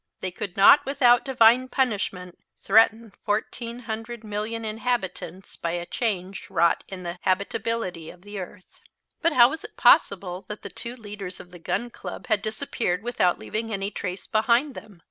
They could not without divine punishment threaten fourteen hundred million inhabitants by a change wrought in the habitability of the earth. But how was it possible that the two leaders of the Gun Club had disappeared without leaving any trace behind them?